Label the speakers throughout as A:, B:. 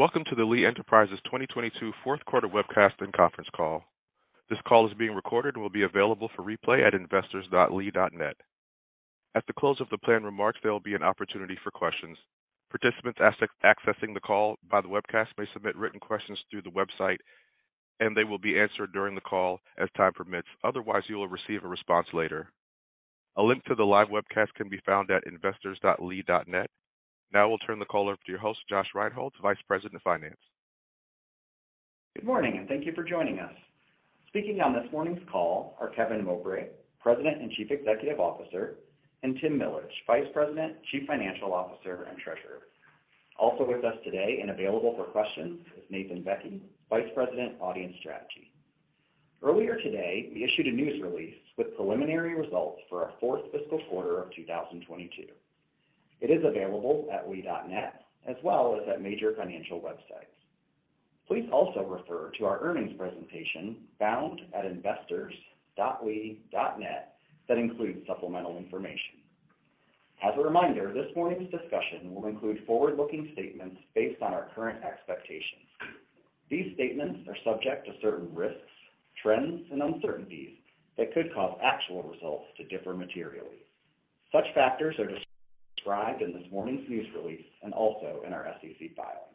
A: Welcome to the Lee Enterprises 2022 Fourth Quarter Webcast and Conference Call. This call is being recorded and will be available for replay at investors.lee.net. At the close of the planned remarks, there will be an opportunity for questions. Participants accessing the call by the webcast may submit written questions through the website. They will be answered during the call as time permits. Otherwise, you will receive a response later. A link to the live webcast can be found at investors.lee.net. I will turn the call over to your host, Josh Rinehults, Vice President of Finance.
B: Good morning, and thank you for joining us. Speaking on this morning's call are Kevin Mowbray, President and Chief Executive Officer, and Tim Millage, Vice President, Chief Financial Officer, and Treasurer. Also with us today and available for questions is Nathan Bekke, Vice President, Audience Strategy. Earlier today, we issued a news release with preliminary results for our fourth fiscal quarter of 2022. It is available at lee.net as well as at major financial websites. Please also refer to our earnings presentation found at investors.lee.net that includes supplemental information. As a reminder, this morning's discussion will include forward-looking statements based on our current expectations. These statements are subject to certain risks, trends, and uncertainties that could cause actual results to differ materially. Such factors are described in this morning's news release and also in our SEC filings.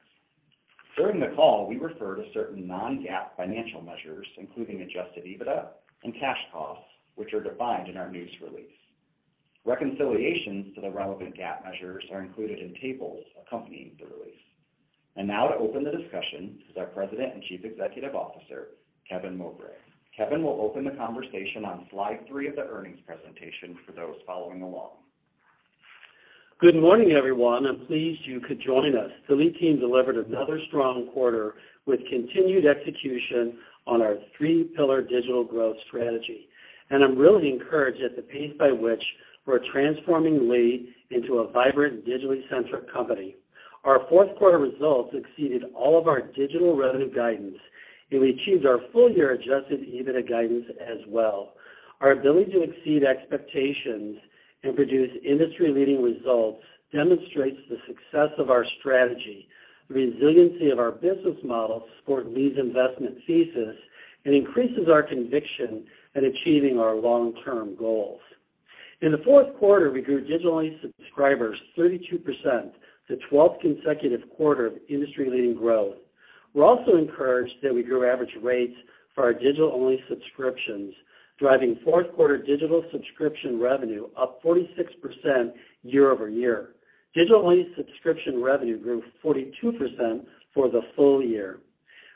B: During the call, we refer to certain non-GAAP financial measures, including adjusted EBITDA and cash costs, which are defined in our news release. Reconciliations to the relevant GAAP measures are included in tables accompanying the release. Now to open the discussion is our President and Chief Executive Officer, Kevin Mowbray. Kevin will open the conversation on slide three of the earnings presentation for those following along.
C: Good morning, everyone. I'm pleased you could join us. The Lee team delivered another strong quarter with continued execution on our Three Pillar Digital Growth strategy. I'm really encouraged at the pace by which we're transforming Lee into a vibrant, digitally-centric company. Our fourth quarter results exceeded all of our digital revenue guidance, and we achieved our full-year adjusted EBITDA guidance as well. Our ability to exceed expectations and produce industry-leading results demonstrates the success of our strategy, the resiliency of our business model support Lee's investment thesis, and increases our conviction at achieving our long-term goals. In the fourth quarter, we grew digital-only subscribers 32% to 12th consecutive quarter of industry-leading growth. We're also encouraged that we grew average rates for our digital-only subscriptions, driving fourth quarter digital subscription revenue up 46% year-over-year. Digital-only subscription revenue grew 42% for the full year.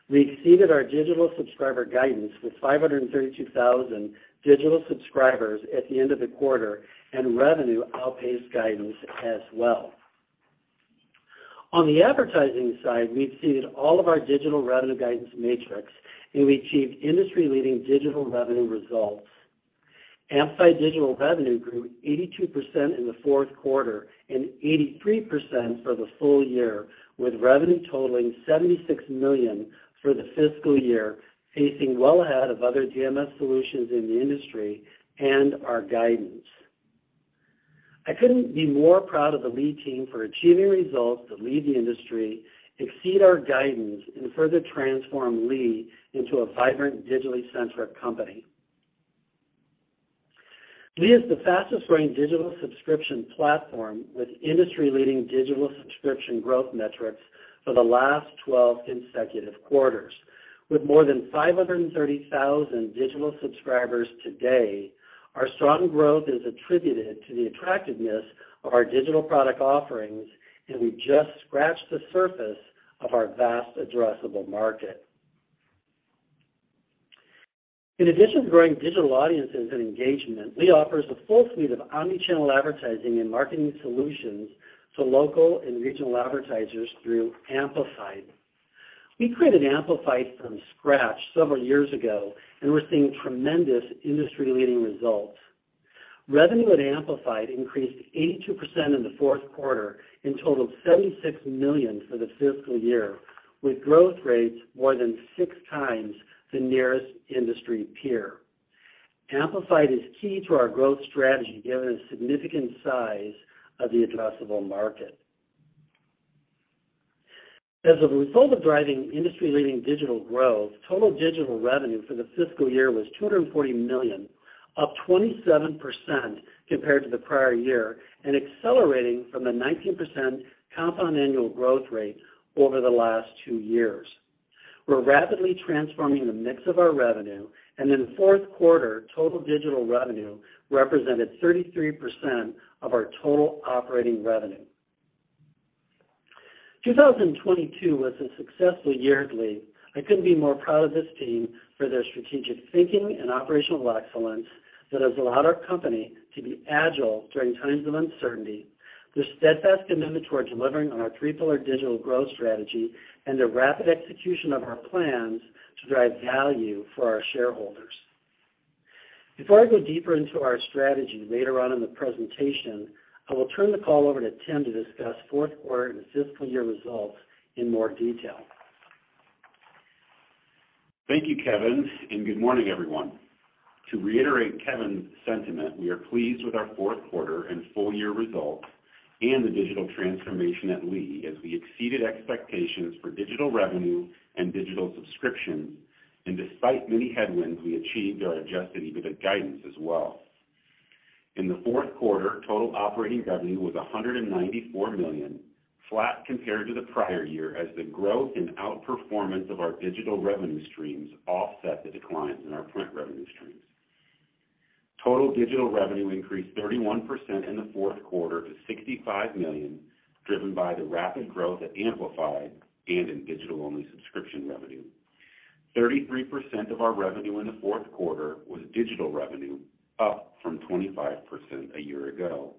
C: We exceeded our digital subscriber guidance with 532,000 digital subscribers at the end of the quarter, and revenue outpaced guidance as well. On the advertising side, we've exceeded all of our digital revenue guidance metrics, and we achieved industry-leading digital revenue results. Amplified Digital revenue grew 82% in the fourth quarter and 83% for the full year, with revenue totaling $76 million for the fiscal year, pacing well ahead of other DMS solutions in the industry and our guidance. I couldn't be more proud of the Lee team for achieving results that lead the industry, exceed our guidance, and further transform Lee into a vibrant, digitally-centric company. Lee is the fastest growing digital subscription platform with industry-leading digital subscription growth metrics for the last 12 consecutive quarters. With more than 530,000 digital subscribers today, our strong growth is attributed to the attractiveness of our digital product offerings. We've just scratched the surface of our vast addressable market. In addition to growing digital audiences and engagement, Lee offers a full suite of omnichannel advertising and marketing solutions to local and regional advertisers through Amplified. We created Amplified from scratch several years ago. We're seeing tremendous industry-leading results. Revenue at Amplified increased 82% in the fourth quarter and totaled $76 million for the fiscal year, with growth rates more than six times the nearest industry peer. Amplified is key to our growth strategy given the significant size of the addressable market. As a result of driving industry-leading digital growth, total digital revenue for the fiscal year was $240 million, up 27% compared to the prior year and accelerating from the 19% compound annual growth rate over the last two years. We're rapidly transforming the mix of our revenue, and in the fourth quarter, total digital revenue represented 33% of our total operating revenue. 2022 was a successful year at Lee. I couldn't be more proud of this team for their strategic thinking and operational excellence that has allowed our company to be agile during times of uncertainty, their steadfast commitment toward delivering on our Three Pillar Digital Growth strategy, and their rapid execution of our plans to drive value for our shareholders. Before I go deeper into our strategy later on in the presentation, I will turn the call over to Tim to discuss fourth quarter and fiscal year results in more detail.
D: Thank you, Kevin. Good morning, everyone. To reiterate Kevin's sentiment, we are pleased with our fourth quarter and full year results and the digital transformation at Lee as we exceeded expectations for digital revenue and digital subscription. Despite many headwinds, we achieved our adjusted EBITDA guidance as well. In the fourth quarter, total operating revenue was $194 million, flat compared to the prior year as the growth and outperformance of our digital revenue streams offset the declines in our print revenue streams. Total digital revenue increased 31% in the fourth quarter to $65 million, driven by the rapid growth at Amplified and in digital-only subscription revenue. 33% of our revenue in the fourth quarter was digital revenue, up from 25% a year ago.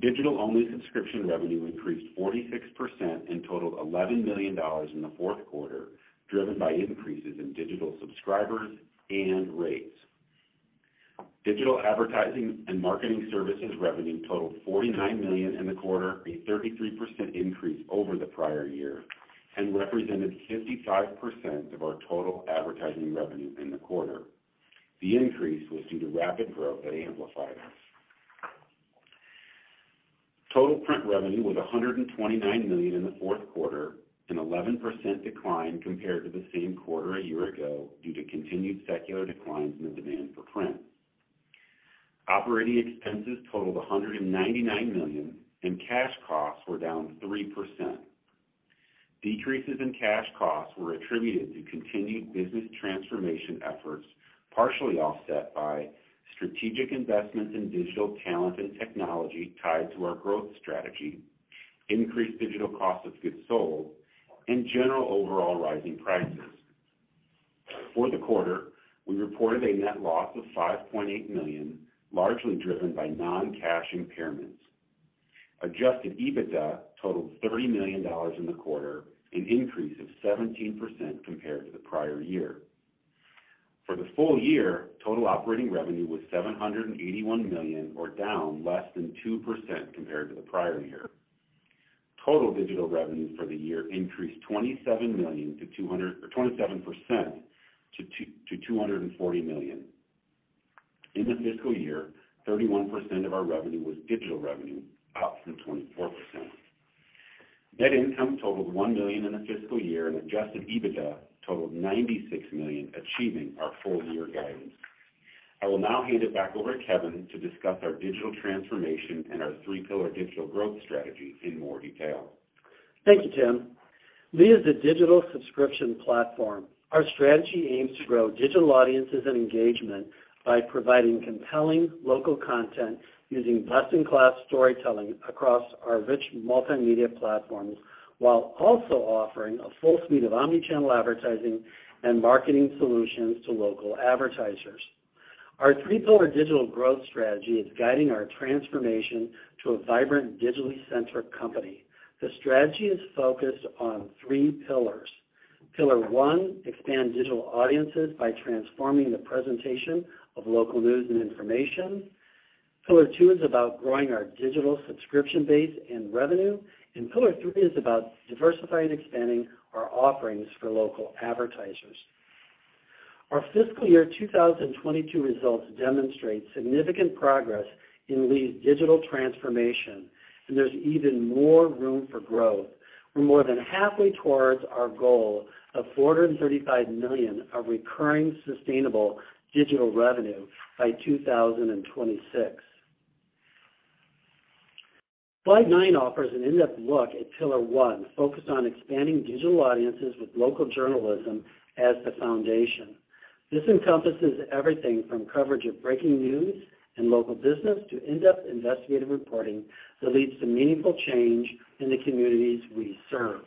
D: Digital-only subscription revenue increased 46% and totaled $11 million in the fourth quarter, driven by increases in digital subscribers and rates. Digital advertising and marketing services revenue totaled $49 million in the quarter, a 33% increase over the prior year, and represented 55% of our total advertising revenue in the quarter. The increase was due to rapid growth at Amplified. Total print revenue was $129 million in the fourth quarter, an 11% decline compared to the same quarter a year ago due to continued secular declines in the demand for print. Operating expenses totaled $199 million, and cash costs were down 3%. Decreases in cash costs were attributed to continued business transformation efforts, partially offset by strategic investments in digital talent and technology tied to our growth strategy, increased digital cost of goods sold, and general overall rising prices. For the quarter, we reported a net loss of $5.8 million, largely driven by non-cash impairments. Adjusted EBITDA totaled $30 million in the quarter, an increase of 17% compared to the prior year. For the full year, total operating revenue was $781 million, or down less than 2% compared to the prior year. Total digital revenue for the year increased 27% to $240 million. In the fiscal year, 31% of our revenue was digital revenue, up from 24%. Net income totaled $1 million in the fiscal year. Adjusted EBITDA totaled $96 million, achieving our full-year guidance. I will now hand it back over to Kevin to discuss our digital transformation and our Three Pillar Digital Growth strategy in more detail.
C: Thank you, Tim. Lee is a digital subscription platform. Our strategy aims to grow digital audiences and engagement by providing compelling local content using best-in-class storytelling across our rich multimedia platforms, while also offering a full suite of omni-channel advertising and marketing solutions to local advertisers. Our Three Pillar Digital Growth strategy is guiding our transformation to a vibrant digitally centric company. The strategy is focused on three pillars. Pillar one, expand digital audiences by transforming the presentation of local news and information. Pillar two is about growing our digital subscription base and revenue. Pillar three is about diversifying and expanding our offerings for local advertisers. Our fiscal year 2022 results demonstrate significant progress in Lee's digital transformation, and there's even more room for growth. We're more than halfway towards our goal of $435 million of recurring sustainable digital revenue by 2026. Slide nine offers an in-depth look at pillar one, focused on expanding digital audiences with local journalism as the foundation. This encompasses everything from coverage of breaking news and local business to in-depth investigative reporting that leads to meaningful change in the communities we serve.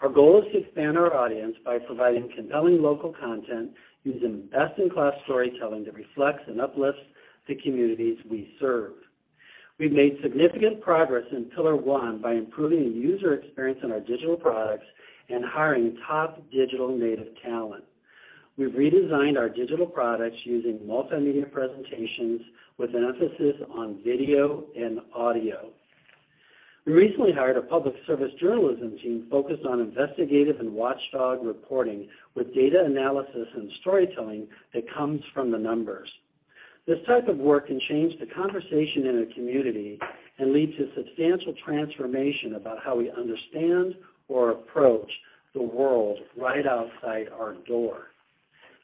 C: Our goal is to expand our audience by providing compelling local content using best-in-class storytelling that reflects and uplifts the communities we serve. We've made significant progress in pillar one by improving the user experience on our digital products and hiring top digital native talent. We've redesigned our digital products using multimedia presentations with an emphasis on video and audio. We recently hired a public service journalism team focused on investigative and watchdog reporting with data analysis and storytelling that comes from the numbers. This type of work can change the conversation in a community and lead to substantial transformation about how we understand or approach the world right outside our door.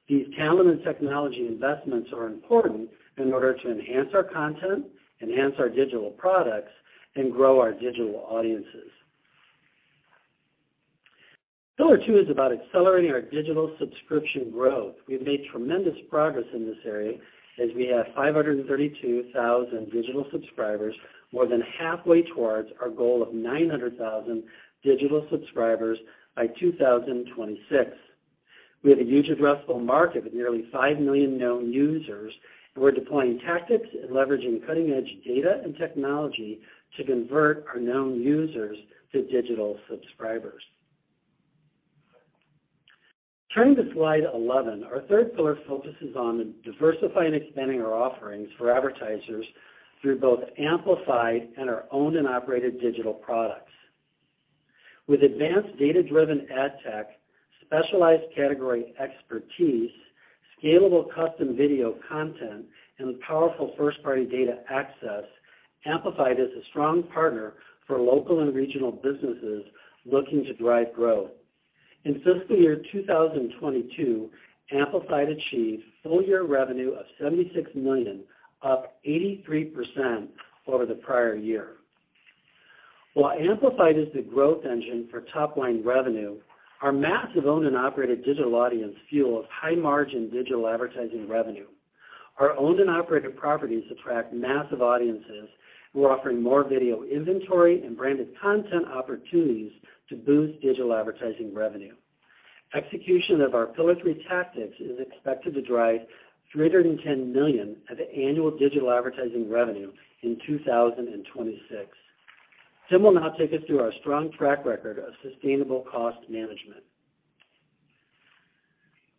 C: These talent and technology investments are important in order to enhance our content, enhance our digital products, and grow our digital audiences. Pillar two is about accelerating our digital subscription growth. We've made tremendous progress in this area as we have 532,000 digital subscribers, more than halfway towards our goal of 900,000 digital subscribers by 2026. We have a huge addressable market of nearly 5 million known users, and we're deploying tactics and leveraging cutting-edge data and technology to convert our known users to digital subscribers. Turning to slide 11, our third pillar focuses on diversifying and expanding our offerings for advertisers through both Amplify and our owned and operated digital products. With advanced data-driven ad tech, specialized category expertise, scalable custom video content, and powerful first-party data access, Amplify is a strong partner for local and regional businesses looking to drive growth. In fiscal year 2022, Amplify achieved full-year revenue of $76 million, up 83% over the prior year. While Amplify is the growth engine for top line revenue, our massive owned and operated digital audience fuels high margin digital advertising revenue. Our owned and operated properties attract massive audiences who are offering more video inventory and branded content opportunities to boost digital advertising revenue. Execution of our pillar three tactics is expected to drive $310 million of annual digital advertising revenue in 2026. Tim will now take us through our strong track record of sustainable cost management.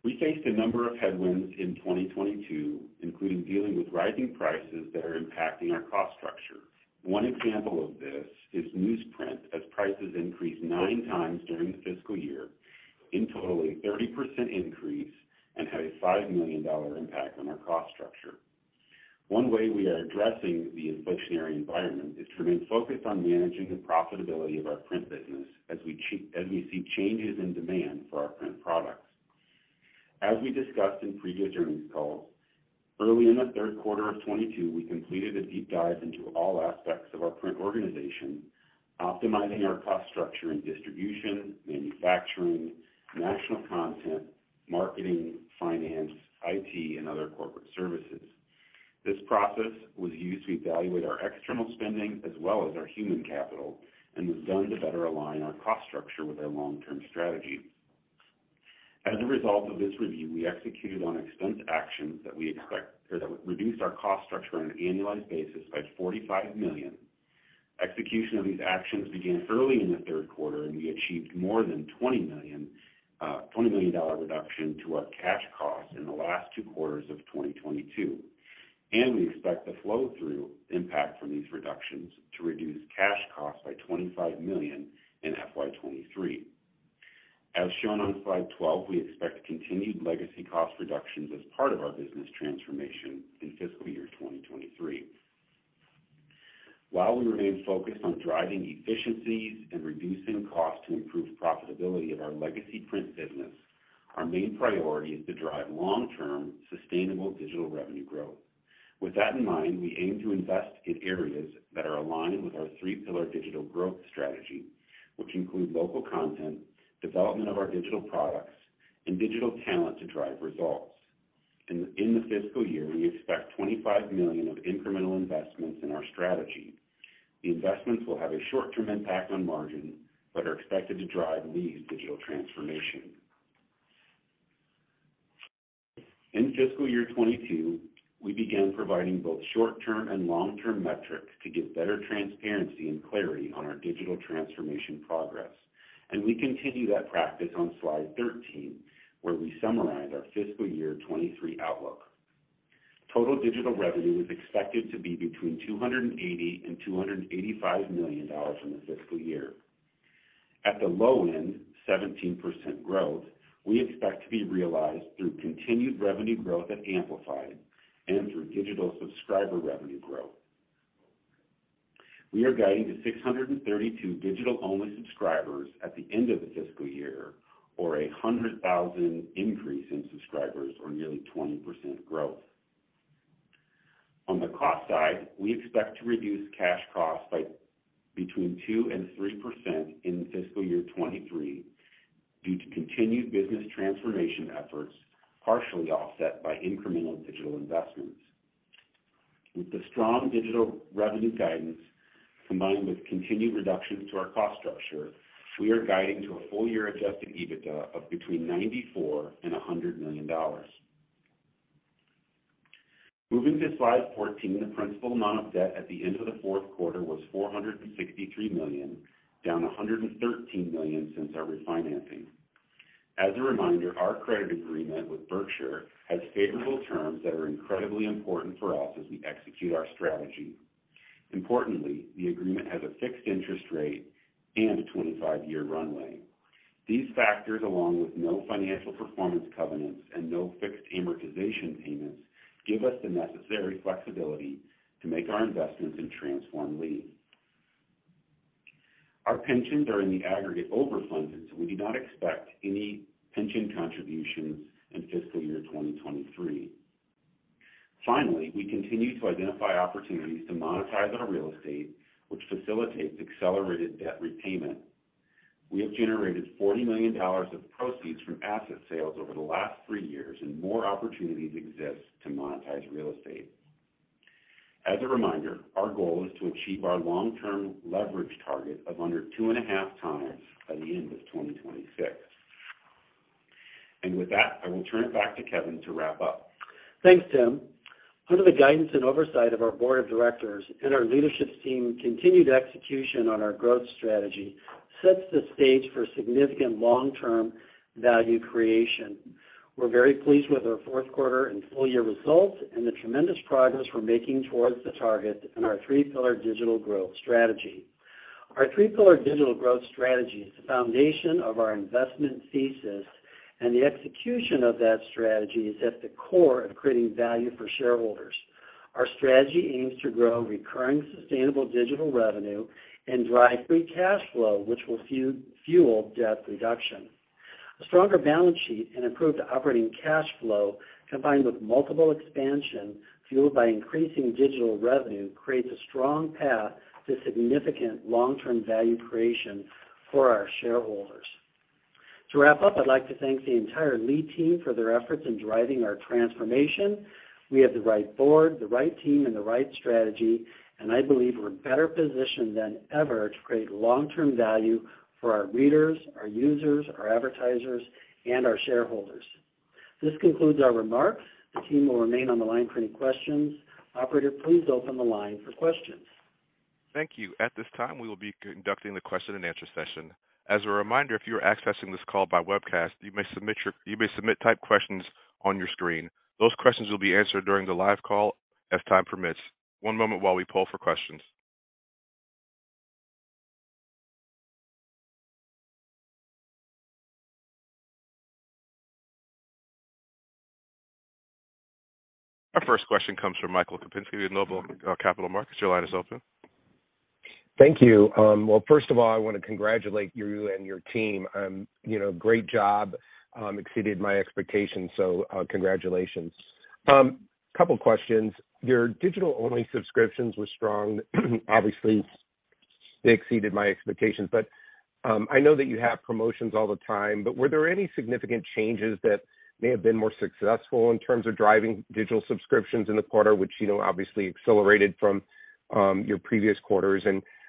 D: We faced a number of headwinds in 2022, including dealing with rising prices that are impacting our cost structure. One example of this is newsprint, as prices increased nine times during the fiscal year, in total a 30% increase, and had a $5 million impact on our cost structure. One way we are addressing the inflationary environment is to remain focused on managing the profitability of our print business as we see changes in demand for our print products. As we discussed in previous earnings calls, early in the third quarter of 2022, we completed a deep dive into all aspects of our print organization, optimizing our cost structure and distribution, manufacturing, national content, marketing, finance, IT, and other corporate services. This process was used to evaluate our external spending as well as our human capital, and was done to better align our cost structure with our long-term strategy. As a result of this review, we executed on expense actions that we expect or that would reduce our cost structure on an annualized basis by $45 million. Execution of these actions began early in the third quarter, and we achieved more than $20 million, $20 million dollar reduction to our cash costs in the last two quarters of 2022. We expect the flow through impact from these reductions to reduce cash costs by $25 million in FY 2023. As shown on slide 12, we expect continued legacy cost reductions as part of our business transformation in fiscal year 2023. While we remain focused on driving efficiencies and reducing costs to improve profitability of our legacy print business, our main priority is to drive long-term sustainable digital revenue growth. With that in mind, we aim to invest in areas that are aligned with our three pillar digital growth strategy, which include local content, development of our digital products, and digital talent to drive results. In the fiscal year, we expect $25 million of incremental investments in our strategy. The investments will have a short-term impact on margin, but are expected to drive Lee digital transformation. In fiscal year 2022, we began providing both short-term and long-term metrics to give better transparency and clarity on our digital transformation progress. We continue that practice on slide 13, where we summarize our fiscal year 2023 outlook. Total digital revenue is expected to be between $280 million and $285 million in the fiscal year. At the low end, 17% growth, we expect to be realized through continued revenue growth at Amplify and through digital subscriber revenue growth. We are guiding to 632,000 digital-only subscribers at the end of the fiscal year or a 100,000 increase in subscribers or nearly 20% growth. On the cost side, we expect to reduce cash costs by between 2% and 3% in fiscal year 2023 due to continued business transformation efforts, partially offset by incremental digital investments. With the strong digital revenue guidance combined with continued reductions to our cost structure, we are guiding to a full year adjusted EBITDA of between $94 million and $100 million. Moving to slide 14, the principal amount of debt at the end of the fourth quarter was $463 million, down $113 million since our refinancing. As a reminder, our credit agreement with Berkshire has favorable terms that are incredibly important for us as we execute our strategy. Importantly, the agreement has a fixed interest rate and a 25-year runway. These factors, along with no financial performance covenants and no fixed amortization payments, give us the necessary flexibility to make our investments and transform Lee. Our pensions are in the aggregate overfunded, we do not expect any pension contributions in fiscal year 2023. We continue to identify opportunities to monetize our real estate, which facilitates accelerated debt repayment. We have generated $40 million of proceeds from asset sales over the last three years, and more opportunities exist to monetize real estate. As a reminder, our goal is to achieve our long-term leverage target of under 2.5x by the end of 2026. With that, I will turn it back to Kevin to wrap up.
C: Thanks, Tim. Under the guidance and oversight of our board of directors and our leadership team, continued execution on our growth strategy sets the stage for significant long-term value creation. We're very pleased with our fourth quarter and full year results and the tremendous progress we're making towards the target in our Three Pillar Digital Growth strategy. Our Three Pillar Digital Growth strategy is the foundation of our investment thesis, and the execution of that strategy is at the core of creating value for shareholders. Our strategy aims to grow recurring sustainable digital revenue and drive free cash flow, which will fuel debt reduction. A stronger balance sheet and improved operating cash flow, combined with multiple expansion fueled by increasing digital revenue, creates a strong path to significant long-term value creation for our shareholders. To wrap up, I'd like to thank the entire Lee team for their efforts in driving our transformation. We have the right board, the right team, and the right strategy, and I believe we're better positioned than ever to create long-term value for our readers, our users, our advertisers, and our shareholders. This concludes our remarks. The team will remain on the line for any questions. Operator, please open the line for questions.
A: Thank you. At this time, we will be conducting the question-and-answer session. As a reminder, if you are accessing this call by webcast, you may submit type questions on your screen. Those questions will be answered during the live call if time permits. One moment while we poll for questions. Our first question comes from Michael Kupinski with Noble Capital Markets. Your line is open.
E: Thank you. Well, first of all, I wanna congratulate you and your team. You know, great job. Exceeded my expectations, so, congratulations. Couple questions. Your digital-only subscriptions were strong. Obviously, they exceeded my expectations, but I know that you have promotions all the time, but were there any significant changes that may have been more successful in terms of driving digital subscriptions in the quarter, which, you know, obviously accelerated from, your previous quarters?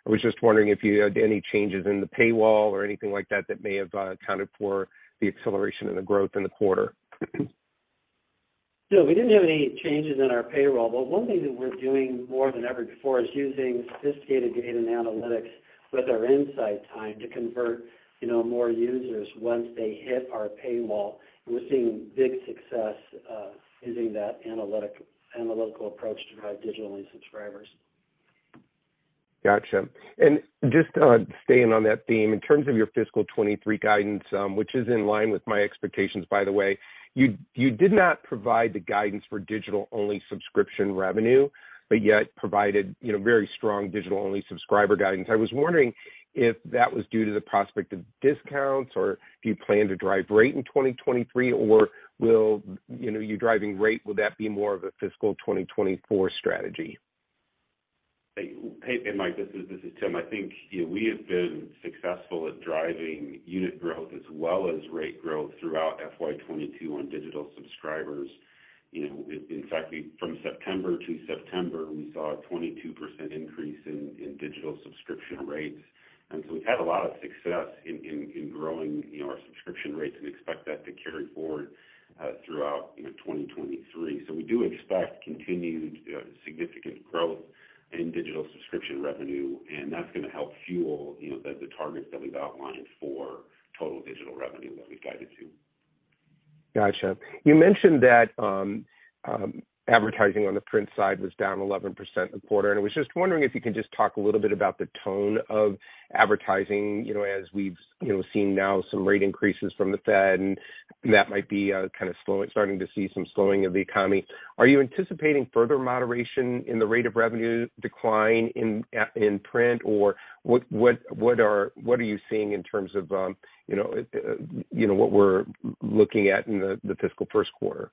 E: I was just wondering if you had any changes in the paywall or anything like that that may have accounted for the acceleration and the growth in the quarter?
C: No, we didn't have any changes in our paywall, but one thing that we're doing more than ever before is using sophisticated data and analytics with our insight time to convert, you know, more users once they hit our paywall. We're seeing big success, using that analytical approach to drive digital-only subscribers.
E: Gotcha. Just staying on that theme, in terms of your fiscal 2023 guidance, which is in line with my expectations by the way, you did not provide the guidance for digital-only subscription revenue, yet provided, you know, very strong digital-only subscriber guidance. I was wondering if that was due to the prospect of discounts or do you plan to drive rate in 2023 or will, you know, you driving rate, will that be more of a fiscal 2024 strategy?
D: Hey, Mike, this is Tim. I think, you know, we have been successful at driving unit growth as well as rate growth throughout FY 2022 on digital subscribers. You know, in fact, from September to September, we saw a 22% increase in digital subscription rates. We've had a lot of success in growing, you know, our subscription rates and expect that to carry forward throughout, you know, 2023. We do expect continued significant growth in digital subscription revenue, and that's gonna help fuel, you know, the targets that we've outlined for total digital revenue that we've guided to.
E: Gotcha. You mentioned that advertising on the print side was down 11% in the quarter, and I was just wondering if you could just talk a little bit about the tone of advertising, you know, as we've, you know, seen now some rate increases from the Fed and that might be starting to see some slowing of the economy. Are you anticipating further moderation in the rate of revenue decline in print? What are you seeing in terms of, you know, what we're looking at in the fiscal first quarter?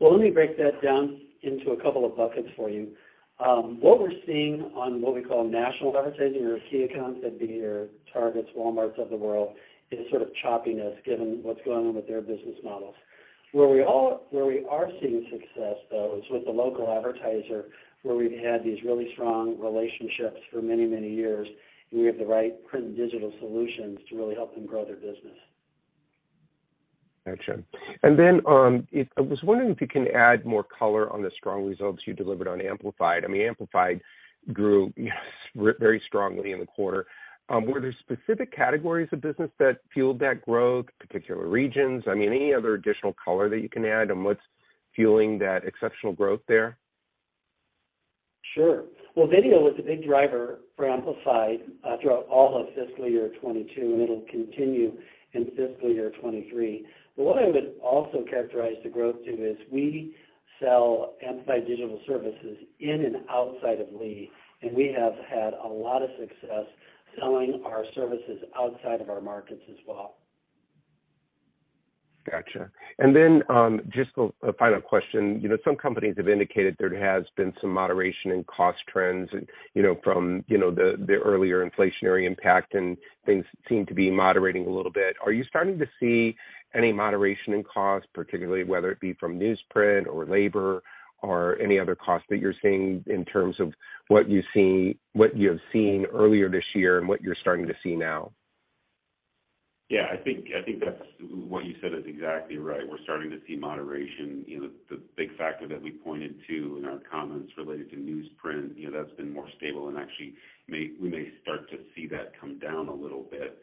C: Well, let me break that down into a couple of buckets for you. What we're seeing on what we call national advertising or key accounts, that'd be your Targets, Walmarts of the world, is sort of choppiness given what's going on with their business models. Where we are seeing success, though, is with the local advertiser where we've had these really strong relationships for many, many years, and we have the right print and digital solutions to really help them grow their business.
E: Gotcha. I was wondering if you can add more color on the strong results you delivered on Amplified. I mean, Amplified grew very strongly in the quarter. Were there specific categories of business that fueled that growth? Particular regions? I mean, any other additional color that you can add on what's fueling that exceptional growth there?
C: Sure. Well, video was a big driver for Amplified throughout all of fiscal year 2022, it'll continue in fiscal year 2023. What I would also characterize the growth to is we sell Amplified Digital services in and outside of Lee, and we have had a lot of success selling our services outside of our markets as well.
E: Gotcha. Just a final question. You know, some companies have indicated there has been some moderation in cost trends and, you know, from, you know, the earlier inflationary impact and things seem to be moderating a little bit. Are you starting to see any moderation in cost, particularly whether it be from newsprint or labor or any other costs that you're seeing in terms of what you have seen earlier this year and what you're starting to see now?
D: Yeah. I think what you said is exactly right. We're starting to see moderation. You know, the big factor that we pointed to in our comments related to newsprint, you know, that's been more stable and actually we may start to see that come down a little bit.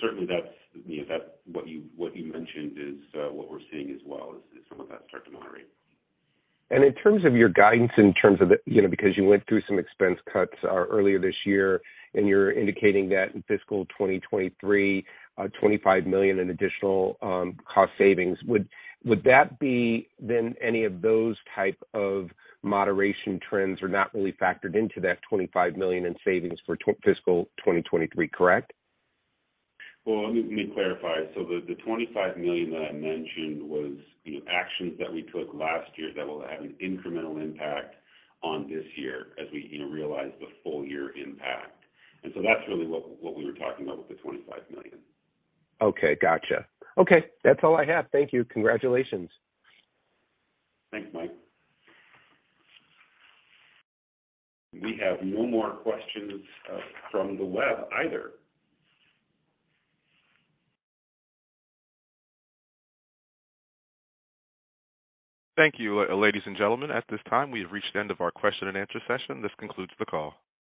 D: Certainly that's, you know, what you mentioned is what we're seeing as well is some of that start to moderate.
E: In terms of your guidance in terms of the, you know, because you went through some expense cuts earlier this year, and you're indicating that in fiscal 2023, $25 million in additional cost savings. Would that be then any of those type of moderation trends are not really factored into that $25 million in savings for fiscal 2023, correct?
D: Well, let me, let me clarify. The $25 million that I mentioned was, you know, actions that we took last year that will have an incremental impact on this year as we, you know, realize the full year impact. That's really what we were talking about with the $25 million.
E: Okay. Gotcha. Okay, that's all I have. Thank you. Congratulations.
C: Thanks, Mike.
D: We have no more questions, from the web either.
A: Thank you, ladies and gentlemen. At this time, we have reached the end of our question-and-answer session. This concludes the call.